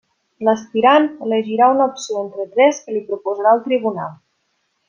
L'aspirant elegirà una opció entre tres que li proposarà el tribunal.